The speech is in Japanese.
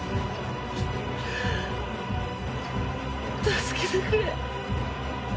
助けてくれ！